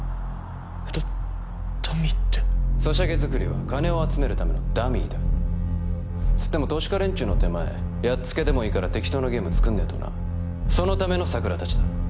だダミーってソシャゲ作りは金を集めるためのダミーだつっても投資家連中の手前やっつけでもいいから適当なゲーム作んねえとなそのための桜達だ